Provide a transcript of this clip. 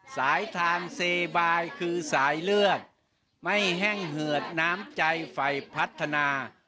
สายทานเซบายคือสายเลือดไม่แห้งเหือดน้ำใจไฟพัฒนา